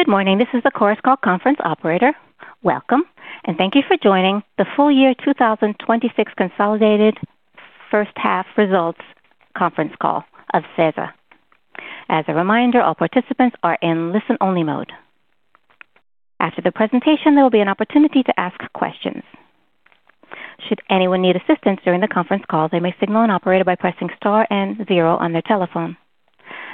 Good morning. This is the conference call operator. Welcome, and thank you for joining the full year 2026 consolidated first half results conference call of SeSa. As a reminder, all participants are in listen-only mode. After the presentation, there will be an opportunity to ask questions. Should anyone need assistance during the conference call, they may signal an operator by pressing star and zero on their telephone.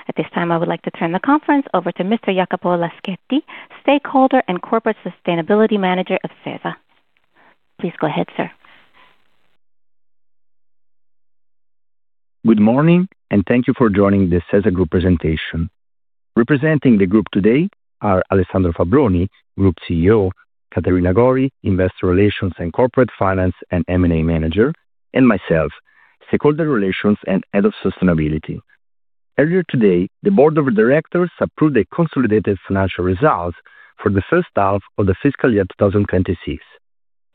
At this time, I would like to turn the conference over to Mr. Jacopo Laschetti, Stakeholder and Corporate Sustainability Manager of SeSa. Please go ahead, sir. Good morning, and thank you for joining the SeSa group presentation. Representing the group today are Alessandro Fabbroni, Group CEO, Caterina Gori, Investor Relations and Corporate Finance and M&A Manager, and myself, Stakeholder Relations and Head of Sustainability. Earlier today, the Board of Directors approved the consolidated financial results for the first half of the fiscal year 2026,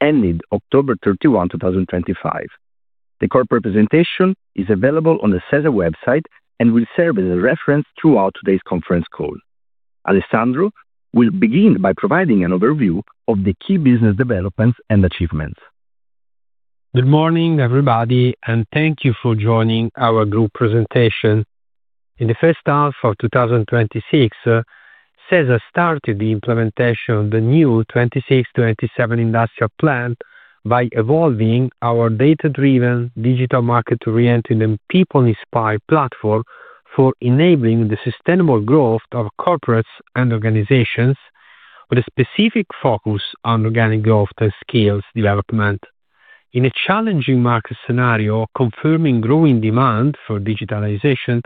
ending October 31, 2025. The corporate presentation is available on the SeSa website and will serve as a reference throughout today's conference call. Alessandro will begin by providing an overview of the key business developments and achievements. Good morning, everybody, and thank you for joining our group presentation. In the first half of 2026, SeSa started the implementation of the new 2026-2027 Industrial Plan by evolving our data-driven digital market oriented and people-inspired platform for enabling the sustainable growth of corporates and organizations, with a specific focus on organic growth and skills development. In a challenging market scenario confirming growing demand for digitalization,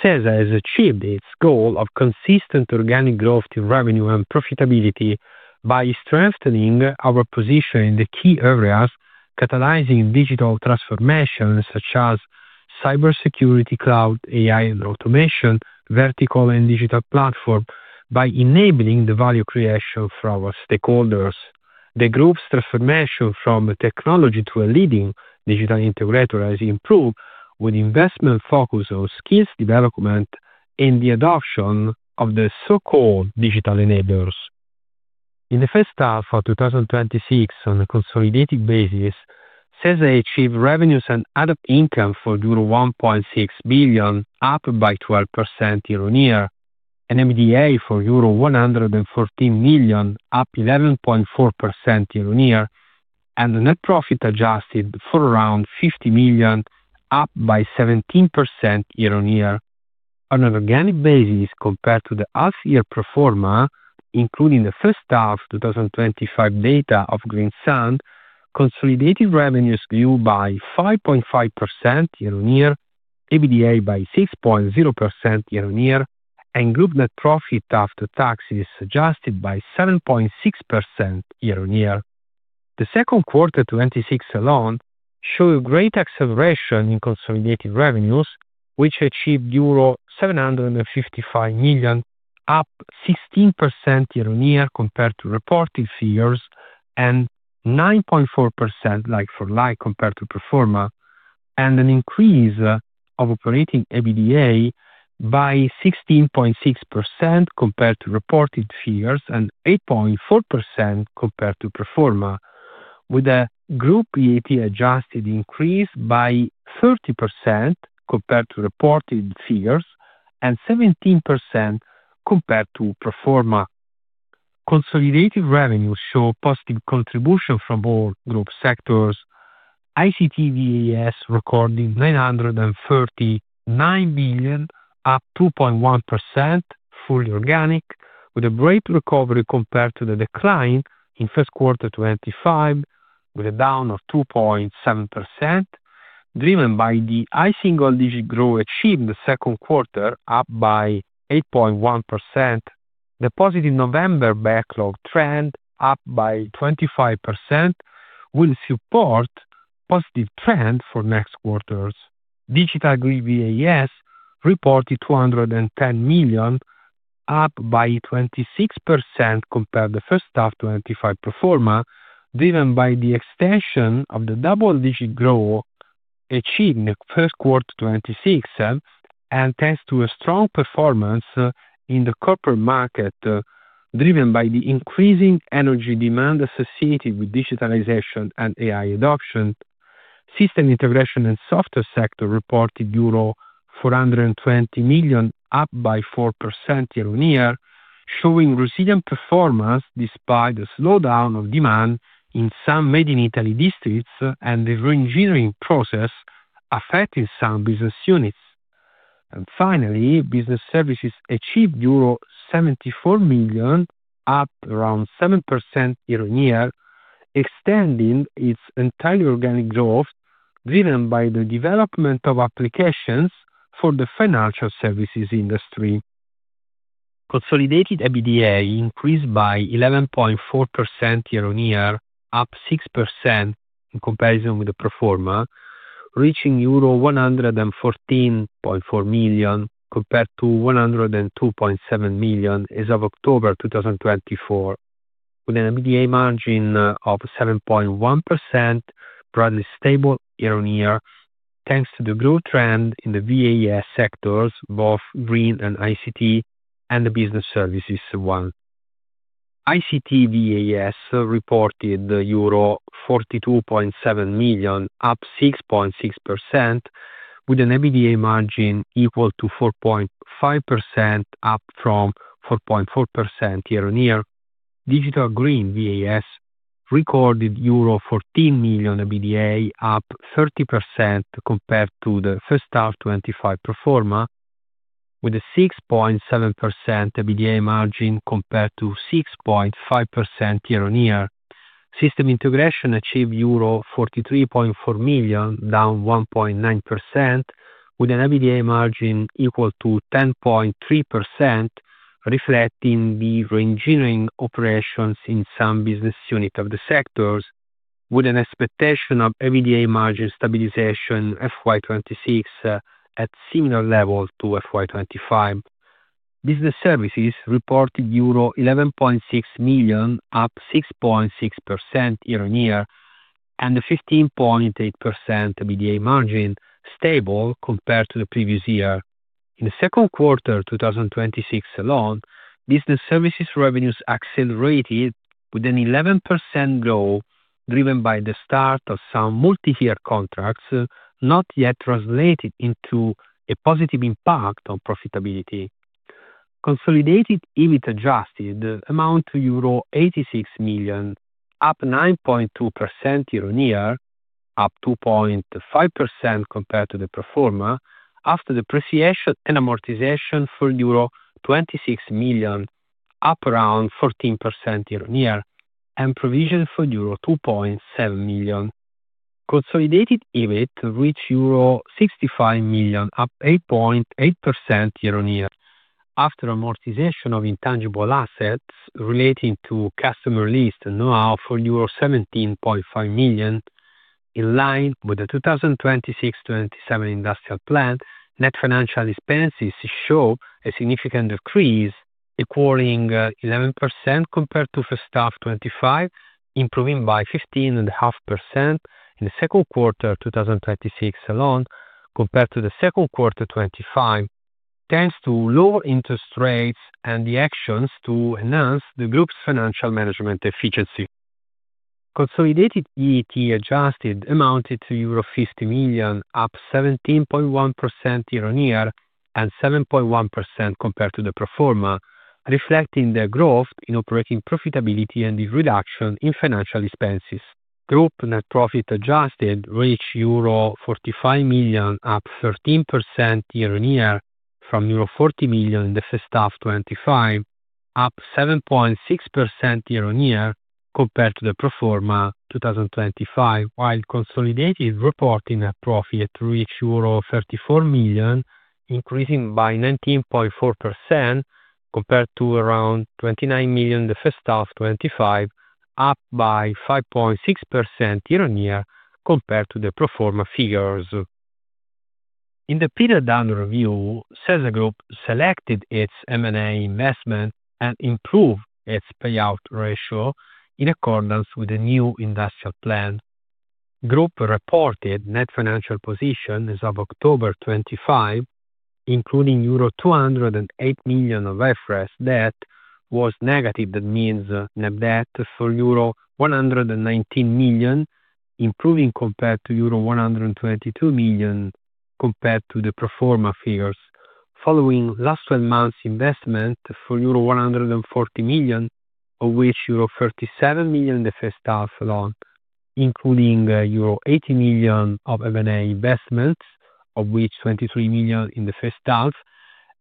SeSa has achieved its goal of consistent organic growth in revenue and profitability by strengthening our position in the key areas catalyzing digital transformations such as cybersecurity, cloud, AI, and automation, vertical, and digital platform by enabling the value creation for our stakeholders. The group's transformation from technology to a leading digital integrator has improved with investment focus on skills development and the adoption of the so-called digital enablers. In the first half of 2026, on a consolidated basis, SeSa achieved revenues and other income for euro 1.6 billion, up by 12% year on year, an EBITDA for euro 114 million, up 11.4% year on year, and the net profit adjusted for around 50 million, up by 17% year on year. On an organic basis, compared to the half-year pro forma, including the first half 2025 data of Greensun, consolidated revenues grew by 5.5% year on year, EBITDA by 6.0% year on year, and group net profit after taxes adjusted by 7.6% year on year. The second quarter 2026 alone showed a great acceleration in consolidated revenues, which achieved euro 755 million, up 16% year on year compared to reported figures and 9.4% like for like compared to pro forma, and an increase of operating EBITDA by 16.6% compared to reported figures and 8.4% compared to pro forma, with a group EAT adjusted increase by 30% compared to reported figures and 17% compared to pro forma. Consolidated revenues show a positive contribution from all group sectors, ICT VAS recording 939 million, up 2.1% fully organic, with a great recovery compared to the decline in first quarter 2025, with a down of 2.7%, driven by the single-digit growth achieved the second quarter, up by 8.1%. The positive November backlog trend, up by 25%, will support a positive trend for next quarters. Digital Green VAS reported 210 million, up by 26% compared to the first half 2025 pro forma, driven by the extension of the double-digit growth achieved in the first quarter 2026, and thanks to a strong performance in the corporate market, driven by the increasing energy demand associated with digitalization and AI adoption. System Integration and Software sector reported euro 420 million, up by 4% year on year, showing resilient performance despite the slowdown of demand in some Made in Italy districts and the re-engineering process affecting some business units. Finally, Business Services achieved euro 74 million, up around 7% year on year, extending its entire organic growth driven by the development of applications for the financial services industry. Consolidated EBITDA increased by 11.4% year on year, up 6% in comparison with the pro forma, reaching euro 114.4 million compared to 102.7 million as of October 2024, with an EBITDA margin of 7.1%, broadly stable year on year, thanks to the growth trend in the VAS sectors, both green and ICT, and the Business Services one. ICT VAS reported euro 42.7 million, up 6.6%, with an EBITDA margin equal to 4.5%, up from 4.4% year on year. Digital Green VAS recorded euro 14 million EBITDA, up 30% compared to the first half 25 pro forma, with a 6.7% EBITDA margin compared to 6.5% year on year. System integration achieved euro 43.4 million, down 1.9%, with an EBITDA margin equal to 10.3%, reflecting the re-engineering operations in some business units of the sectors, with an expectation of EBITDA margin stabilization FY26 at similar level to FY25. Business Services reported euro 11.6 million, up 6.6% year on year, and a 15.8% EBITDA margin, stable compared to the previous year. In the second quarter 2026 alone, Business Services revenues accelerated with an 11% growth driven by the start of some multi-year contracts not yet translated into a positive impact on profitability. Consolidated EBIT adjusted amount to euro 86 million, up 9.2% year on year, up 2.5% compared to the pro forma, after depreciation and amortization for euro 26 million, up around 14% year on year, and provision for euro 2.7 million. Consolidated EBIT reached euro 65 million, up 8.8% year on year, after amortization of intangible assets relating to customer list and know-how for 17.5 million in line with the 2026-2027 Industrial Plan, net financial expenses show a significant decrease, equaling 11% compared to first half 2025, improving by 15.5% in the second quarter 2026 alone compared to the second quarter 2025, thanks to lower interest rates and the actions to enhance the group's financial management efficiency. Consolidated EAT adjusted amounted to euro 50 million, up 17.1% year on year and 7.1% compared to the pro forma, reflecting the growth in operating profitability and the reduction in financial expenses. Group net profit adjusted reached euro 45 million, up 13% year on year from euro 40 million in the first half 2025, up 7.6% year on year compared to the pro forma 2025, while consolidated reporting net profit reached euro 34 million, increasing by 19.4% compared to around 29 million in the first half 2025, up by 5.6% year on year compared to the pro forma figures. In the period under review, SeSa Group scaled its M&A investment and improved its payout ratio in accordance with the new Industrial Plan. Group reported net financial position as of October 25, including euro 208 million of IFRS debt, was negative. That means net debt for euro 119 million, improving compared to euro 122 million compared to the pro forma figures, following last 12 months' investment for euro 140 million, of which euro 37 million in the first half alone, including euro 80 million of M&A investments, of which 23 million in the first half,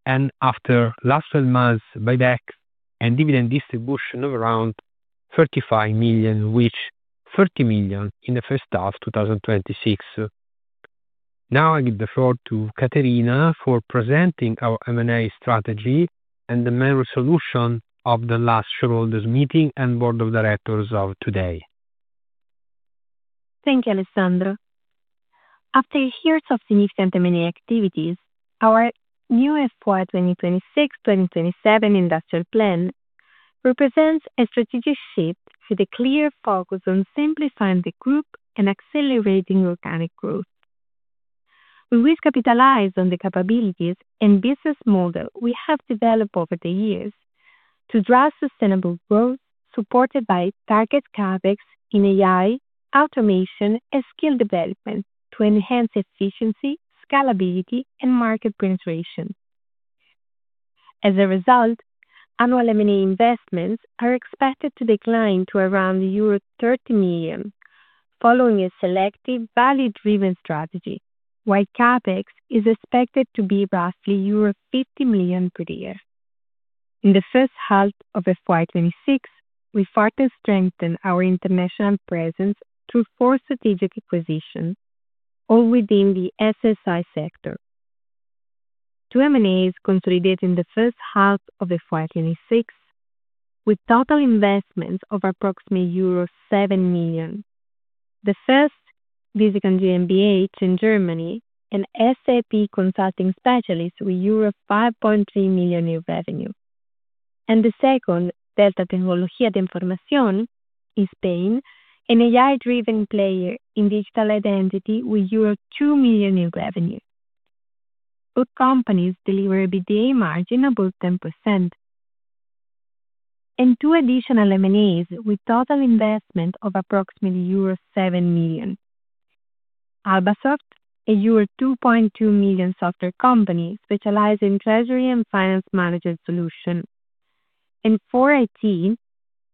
and after last 12 months' buyback and dividend distribution of around 35 million, of which 30 million in the first half 2026. Now I give the floor to Caterina for presenting our M&A strategy and the main resolution of the last shareholders' meeting and board of directors of today. Thank you, Alessandro. After years of significant M&A activities, our new FY 2026-2027 Industrial Plan represents a strategic shift with a clear focus on simplifying the group and accelerating organic growth. We will capitalize on the capabilities and business model we have developed over the years to drive sustainable growth, supported by target CapEx in AI, automation, and skill development to enhance efficiency, scalability, and market penetration. As a result, annual M&A investments are expected to decline to around euro 30 million, following a selective, value-driven strategy, while CapEx is expected to be roughly euro 50 million per year. In the first half of FY 2026, we further strengthen our international presence through four strategic acquisitions, all within the SSI sector. Two M&As consolidated in the first half of FY 2026, with total investments of approximately euro 7 million. The first, Visicon GmbH in Germany, an SAP consulting specialist with euro 5.3 million in revenue, and the second, Delta Tecnologías de la Información in Spain, an AI-driven player in digital identity with 2 million in revenue. Both companies deliver an EBITDA margin of both 10%. Two additional M&As with total investment of approximately euro 7 million. Albasoft, a euro 2.2 million software company specializing in treasury and finance management solutions, and 4IT,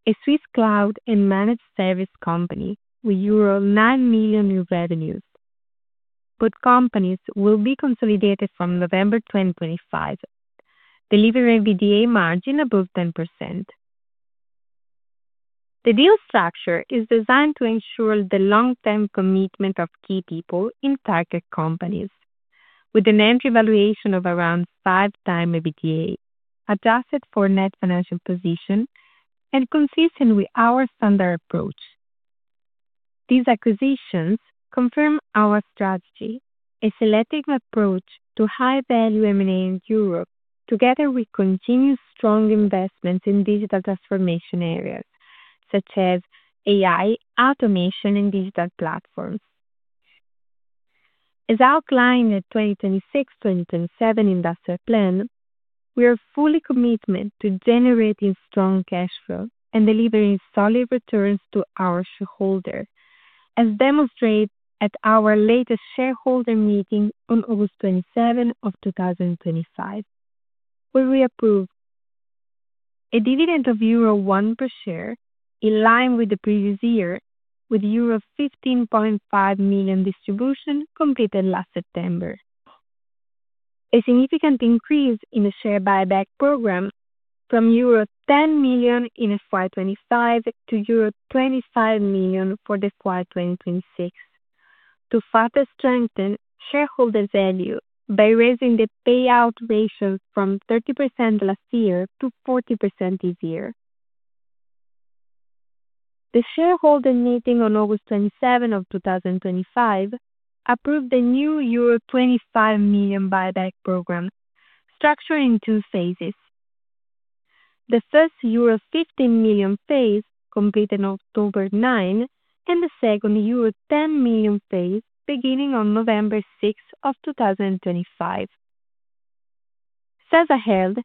a Swiss cloud and managed service company with euro 9 million in revenues. Both companies will be consolidated from November 2025, delivering an EBITDA margin above 10%. The deal structure is designed to ensure the long-term commitment of key people in target companies, with an entry valuation of around five times EBITDA, adjusted for net financial position, and consistent with our standard approach. These acquisitions confirm our strategy, a selective approach to high-value M&A in Europe, together with continued strong investments in digital transformation areas such as AI, automation, and digital platforms. As outlined in the 2026-2027 Industrial Plan, we are fully committed to generating strong cash flow and delivering solid returns to our shareholders, as demonstrated at our latest shareholder meeting on August 27 of 2025, where we approved a dividend of euro 1 per share, in line with the previous year, with euro 15.5 million distribution completed last September. A significant increase in the share buyback program from euro 10 million in FY 2025 to euro 25 million for the FY 2026, to further strengthen shareholder value by raising the payout ratio from 30% last year to 40% this year. The shareholder meeting on August 27 of 2025 approved the new euro 25 million buyback program, structured in two phases. The first euro 15 million phase completed on October 9, and the second euro 10 million phase beginning on November 6 of 2025. SeSa held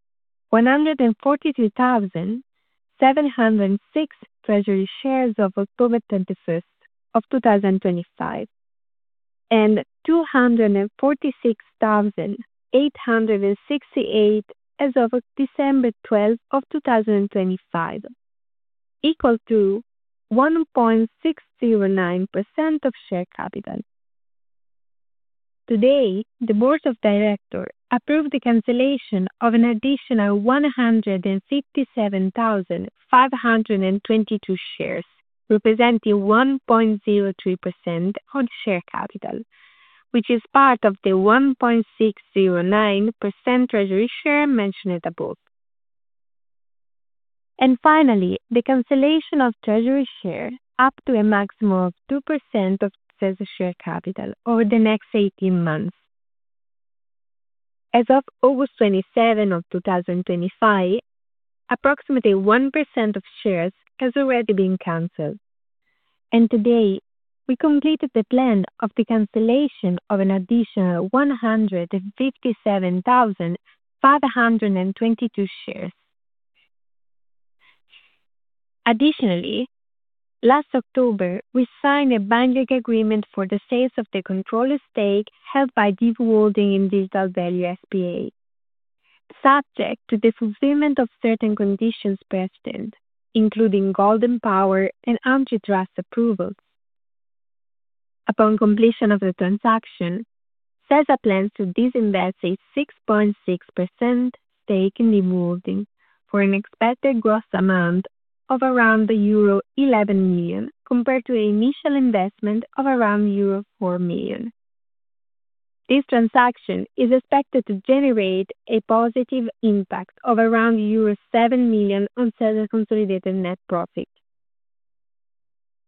142,706 treasury shares as of October 21 of 2025 and 246,868 as of December 12 of 2025, equal to 1.609% of share capital. Today, the board of directors approved the cancellation of an additional 157,522 shares, representing 1.03% of share capital, which is part of the 1.609% treasury share mentioned above, and finally, the cancellation of treasury shares up to a maximum of 2% of SeSa share capital over the next 18 months. As of August 27 of 2025, approximately 1% of shares has already been canceled, and today we completed the plan of the cancellation of an additional 157,522 shares. Additionally, last October, we signed a banking agreement for the sale of the control stake held by DV Holding in Digital Value S.p.A., subject to the fulfillment of certain conditions precedent, including Golden Power and antitrust approvals. Upon completion of the transaction, SeSa plans to disinvest a 6.6% stake in DV Holding for an expected gross amount of around euro 11 million compared to an initial investment of around euro 4 million. This transaction is expected to generate a positive impact of around euro 7 million on SeSa S.p.A.'s consolidated net profit.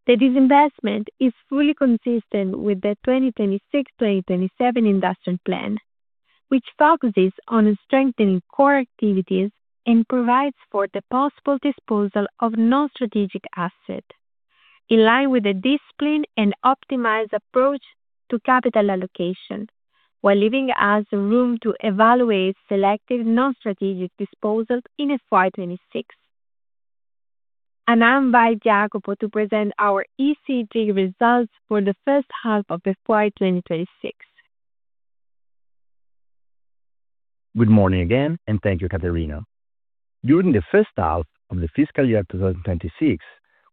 The disinvestment is fully consistent with the 2026-2027 Industrial Plan, which focuses on strengthening core activities and provides for the possible disposal of non-strategic assets, in line with a disciplined and optimized approach to capital allocation, while leaving us room to evaluate selective non-strategic disposal in FY 2026. I invite Jacopo to present our ESG results for the first half of FY 2026. Good morning again, and thank you, Caterina. During the first half of the fiscal year 2026,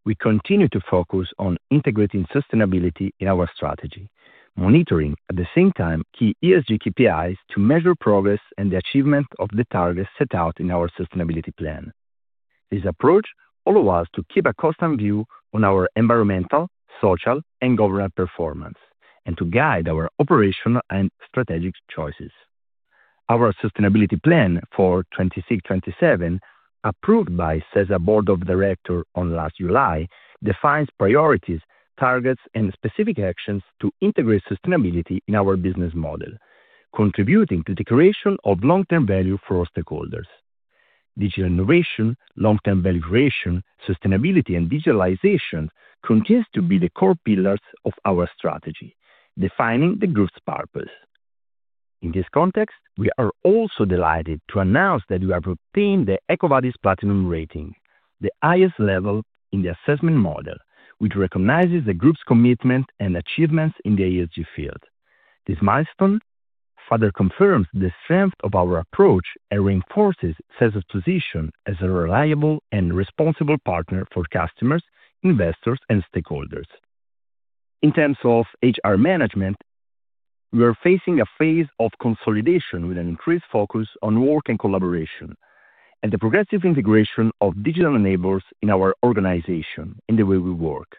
we continue to focus on integrating sustainability in our strategy, monitoring at the same time key ESG KPIs to measure progress and the achievement of the targets set out in our Sustainability Plan. This approach allows us to keep a constant view on our environmental, social, and governance performance, and to guide our operational and strategic choices. Our Sustainability Plan for 2026-2027, approved by SeSa Board of Directors last July, defines priorities, targets, and specific actions to integrate sustainability in our business model, contributing to the creation of long-term value for our stakeholders. Digital innovation, long-term value creation, sustainability, and digitalization continue to be the core pillars of our strategy, defining the group's purpose. In this context, we are also delighted to announce that we have obtained the EcoVadis Platinum rating, the highest level in the assessment model, which recognizes the group's commitment and achievements in the ESG field. This milestone further confirms the strength of our approach and reinforces SeSa S.p.A.'s position as a reliable and responsible partner for customers, investors, and stakeholders. In terms of HR management, we are facing a phase of consolidation with an increased focus on work and collaboration, and the progressive integration of Digital Enablers in our organization, in the way we work.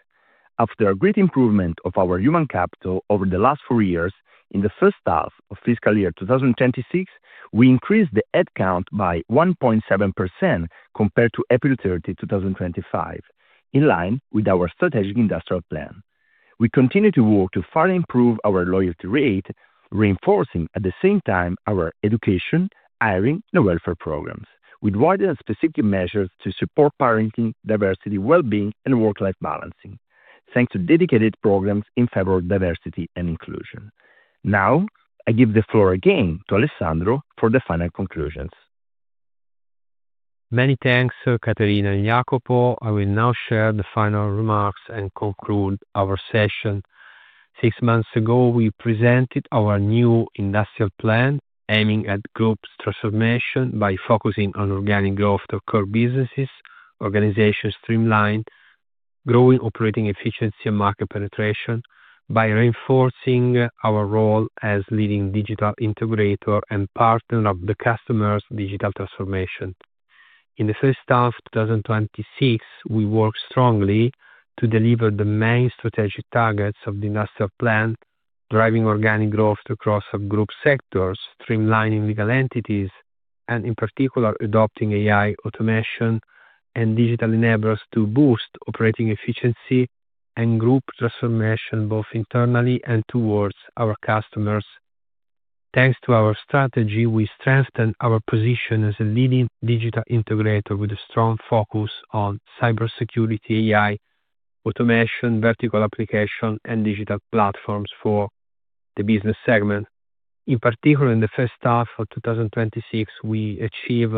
After a great improvement of our human capital over the last four years, in the first half of fiscal year 2026, we increased the headcount by 1.7% compared to April 30, 2025, in line with our strategic Industrial Plan. We continue to work to further improve our loyalty rate, reinforcing at the same time our education, hiring, and welfare programs, with wider and specific measures to support parenting, diversity, well-being, and work-life balancing, thanks to dedicated programs in favor of diversity and inclusion. Now, I give the floor again to Alessandro for the final conclusions. Many thanks, Caterina and Jacopo. I will now share the final remarks and conclude our session. Six months ago, we presented our new Industrial Plan, aiming at group transformation by focusing on organic growth of core businesses, organizations streamlined, growing operating efficiency and market penetration, by reinforcing our role as leading digital integrator and partner of the customer's digital transformation. In the first half of 2026, we worked strongly to deliver the main strategic targets of the Industrial Plan, driving organic growth across our group sectors, streamlining legal entities, and in particular, adopting AI automation and digital enablers to boost operating efficiency and group transformation both internally and towards our customers. Thanks to our strategy, we strengthened our position as a leading digital integrator with a strong focus on cybersecurity, AI, automation, vertical application, and digital platforms for the business segment. In particular, in the first half of 2026, we achieved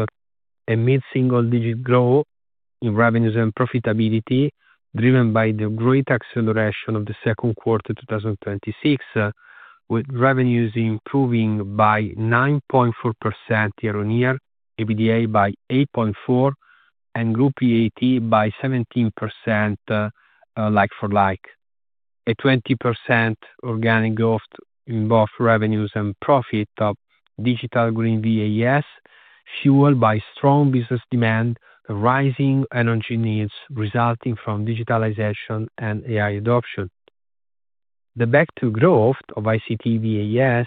a mid-single-digit growth in revenues and profitability, driven by the great acceleration of the second quarter 2026, with revenues improving by 9.4% year on year, EBITDA by 8.4%, and group EAT by 17% like-for-like. A 20% organic growth in both revenues and profit of Digital Green VAS fueled by strong business demand, rising energy needs resulting from digitalization and AI adoption. The back-to-growth of ICT VAS,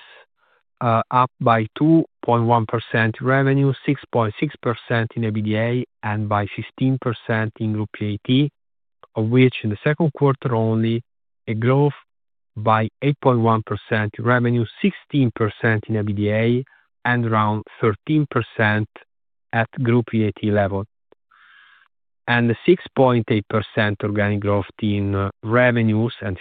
up by 2.1% in revenue, 6.6% in EBITDA, and by 16% in group EAT, of which in the second quarter only, a growth by 8.1% in revenue, 16% in EBITDA, and around 13% at group EAT level. The 6.8% organic growth in revenues and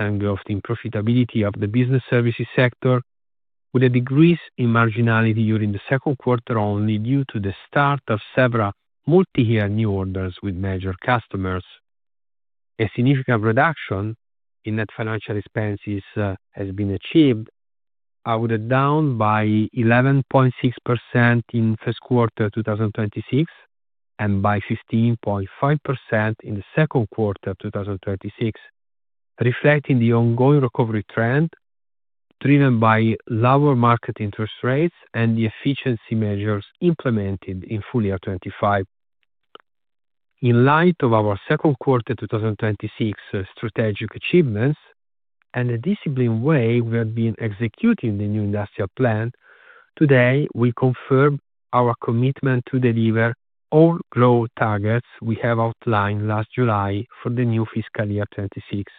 15% growth in profitability of the Business Services sector, with a decrease in marginality during the second quarter only due to the start of several multi-year new orders with major customers. A significant reduction in net financial expenses has been achieved, with down by 11.6% in the first quarter 2026 and by 15.5% in the second quarter 2026, reflecting the ongoing recovery trend driven by lower market interest rates and the efficiency measures implemented in full year 2025. In light of our second quarter 2026 strategic achievements and the disciplined way we have been executing the new Industrial Plan, today we confirm our commitment to deliver all growth targets we have outlined last July for the new fiscal year 2026.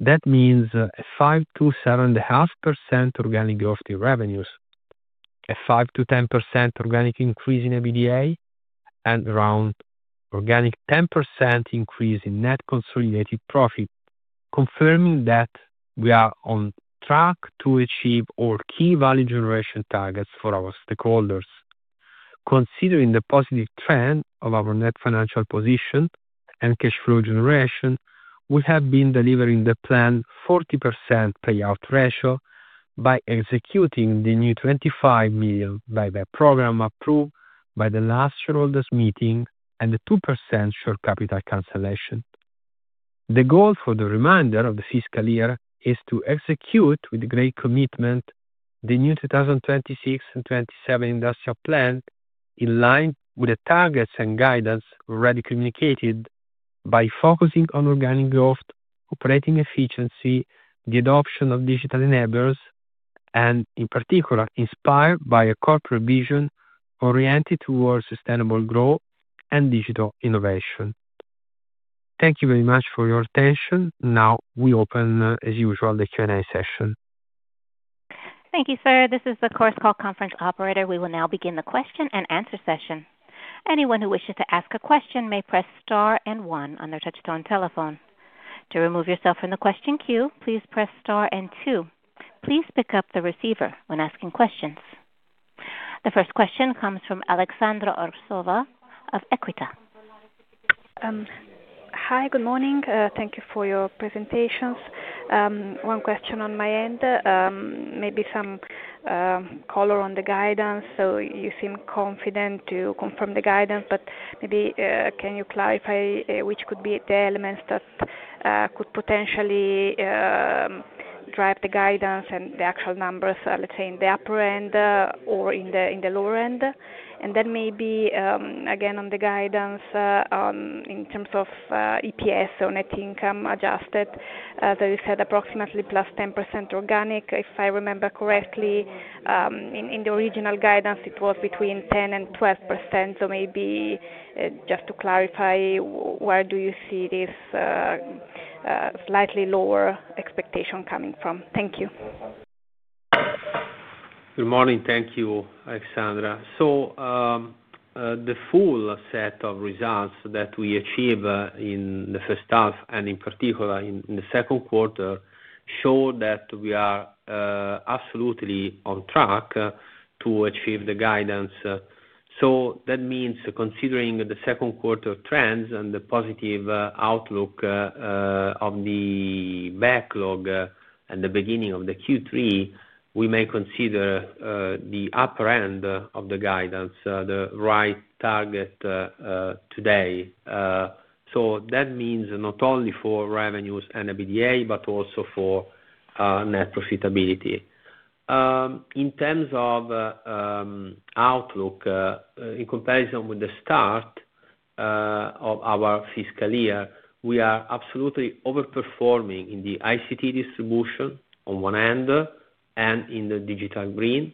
That means a 5%-7.5% organic growth in revenues, a 5%-10% organic increase in EBITDA, and around 10% organic increase in net consolidated profit, confirming that we are on track to achieve our key value generation targets for our stakeholders. Considering the positive trend of our net financial position and cash flow generation, we have been delivering the planned 40% payout ratio by executing the new 25 million buyback program approved by the last year's meeting and the 2% share capital cancellation. The goal for the remainder of the fiscal year is to execute with great commitment the new 2026 and 2027 Industrial Plan in line with the targets and guidance already communicated by focusing on organic growth, operating efficiency, the adoption of digital enablers, and in particular, inspired by a corporate vision oriented towards sustainable growth and digital innovation. Thank you very much for your attention. Now we open, as usual, the Q&A session. Thank you, sir. This is the conference call operator. We will now begin the question and answer session. Anyone who wishes to ask a question may press star and one on their touch-tone telephone. To remove yourself from the question queue, please press star and two. Please pick up the receiver when asking questions. The first question comes from Aleksandra Arsova of Equita. Hi, good morning. Thank you for your presentations. One question on my end, maybe some color on the guidance. So you seem confident to confirm the guidance, but maybe can you clarify which could be the elements that could potentially drive the guidance and the actual numbers, let's say, in the upper end or in the lower end? And then maybe again on the guidance in terms of EPS or net income adjusted, as I said, approximately plus 10% organic, if I remember correctly. In the original guidance, it was between 10 and 12%. So maybe just to clarify, where do you see this slightly lower expectation coming from? Thank you. Good morning. Thank you, Alessandro. So the full set of results that we achieved in the first half and in particular in the second quarter show that we are absolutely on track to achieve the guidance. So that means considering the second quarter trends and the positive outlook of the backlog and the beginning of the Q3, we may consider the upper end of the guidance, the right target today. So that means not only for revenues and EBITDA, but also for net profitability. In terms of outlook, in comparison with the start of our fiscal year, we are absolutely overperforming in the ICT distribution on one end and in the Digital Green.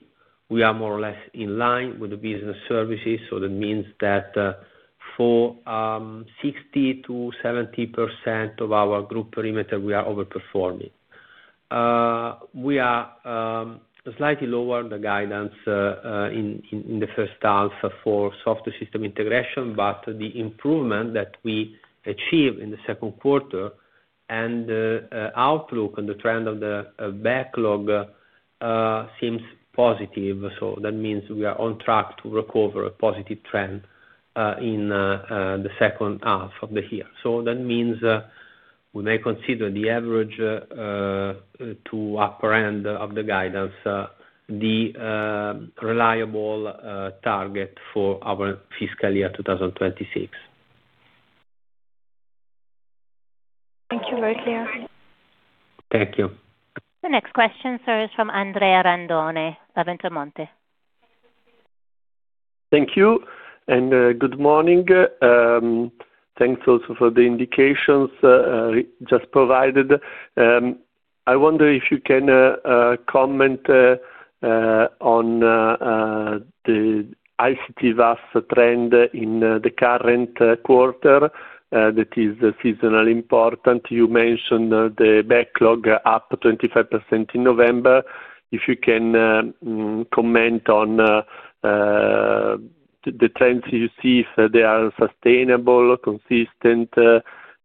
We are more or less in line with the Business Services. So that means that for 60%-70% of our group perimeter, we are overperforming. We are slightly lower on the guidance in the first half for software system integration, but the improvement that we achieved in the second quarter and the outlook and the trend of the backlog seems positive, so that means we are on track to recover a positive trend in the second half of the year, so that means we may consider the average to upper end of the guidance, the reliable target for our fiscal year 2026. Thank you. Thank you. The next question, sir, is from Andrea Randone, Intermonte. Thank you and good morning. Thanks also for the indications just provided. I wonder if you can comment on the ICT VAS trend in the current quarter that is seasonally important. You mentioned the backlog up 25% in November. If you can comment on the trends you see if they are sustainable, consistent,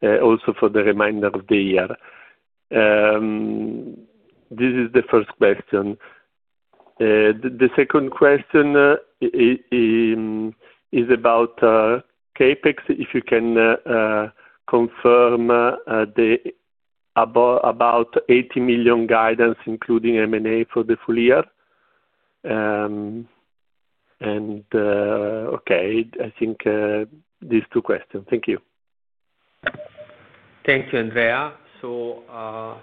also for the remainder of the year. This is the first question. The second question is about CapEx, if you can confirm the about 80 million guidance, including M&A for the full year. And okay, I think these two questions. Thank you. Thank you, Andrea. So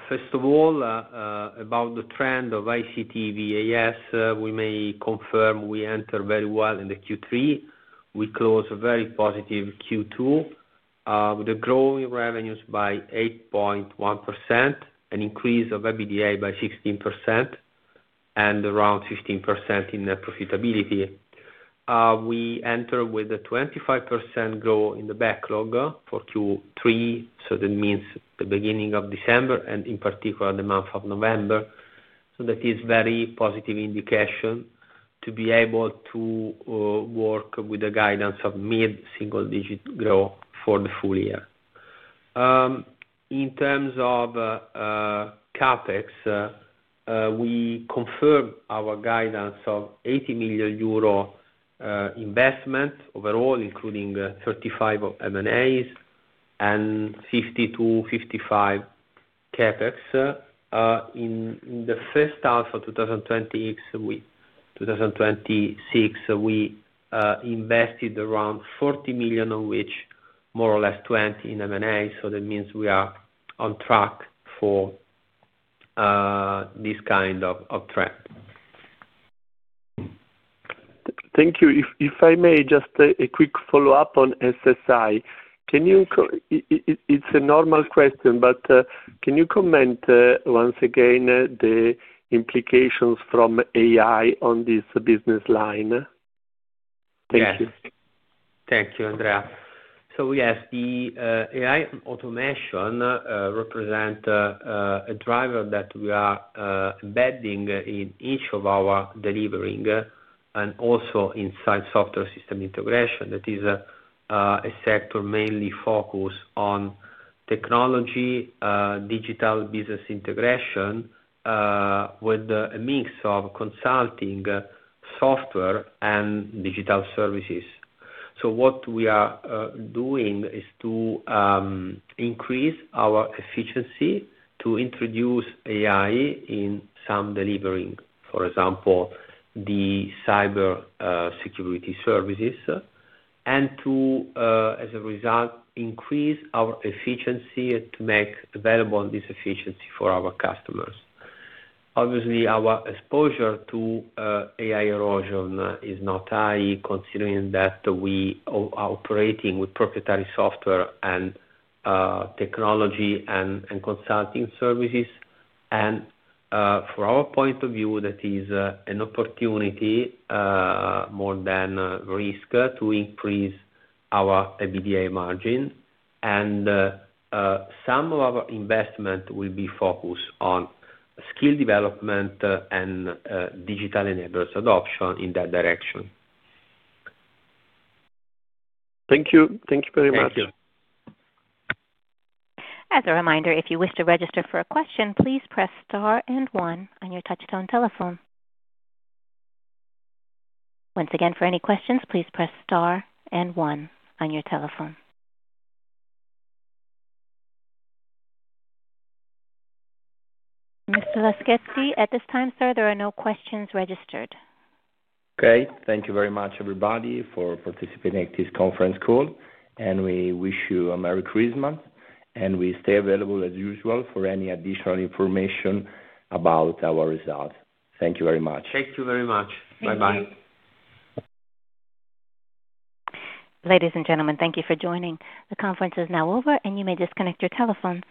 first of all, about the trend of ICT VAS, we may confirm we enter very well in the Q3. We closed a very positive Q2 with growing revenues by 8.1%, an increase of EBITDA by 16%, and around 15% in net profitability. We enter with a 25% growth in the backlog for Q3. So that means the beginning of December and in particular the month of November. So that is a very positive indication to be able to work with the guidance of mid-single-digit growth for the full year. In terms of CapEx, we confirm our guidance of 80 million euro investment overall, including 35 M&As and 50-55 CapEx. In the first half of 2026, we invested around 40 million, of which more or less 20 in M&A. So that means we are on track for this kind of trend. Thank you. If I may, just a quick follow-up on SSI. It's a normal question, but can you comment once again on the implications from AI on this business line? Thank you. Thank you, Andrea. So yes, the AI automation represents a driver that we are embedding in each of our deliveries and also inside software system integration. That is a sector mainly focused on technology, digital business integration with a mix of consulting software and digital services. So what we are doing is to increase our efficiency to introduce AI in some deliveries, for example, the cybersecurity services, and to, as a result, increase our efficiency to make available this efficiency for our customers. Obviously, our exposure to AI erosion is not high, considering that we are operating with proprietary software and technology and consulting services. And from our point of view, that is an opportunity more than risk to increase our EBITDA margin. And some of our investment will be focused on skill development and digital enablers adoption in that direction. Thank you. Thank you very much. Thank you. As a reminder, if you wish to register for a question, please press star and one on your touch-tone telephone. Once again, for any questions, please press star and one on your telephone. Mr. Laschetti, at this time, sir, there are no questions registered. Okay. Thank you very much, everybody, for participating at this conference call. And we wish you a Merry Christmas. And we stay available as usual for any additional information about our results. Thank you very much. Thank you very much. Bye-bye. Thank you. Ladies and gentlemen, thank you for joining. The conference is now over, and you may disconnect your telephones.